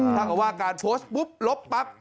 ถ้าเกิดว่าการโพสต์ปุ๊บลบปั๊บ